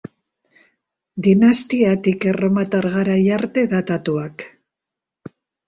Dinastiatik erromatar garai arte datatuak.